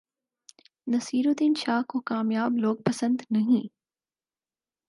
نصیرالدین شاہ کو کامیاب لوگ پسند نہیں